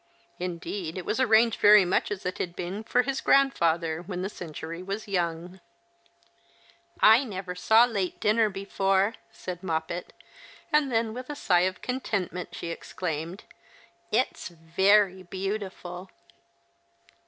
Indeed, it was arranged very much as it had been for his grandfather when the centiu'y was young. " I never saw late dinner before," said Moppet ; and then with a sigh of contentment, she exclaimed, " It's very beautiful